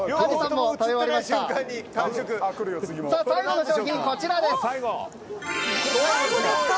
最後の商品こちらです。